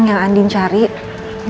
kita bisa mencari andi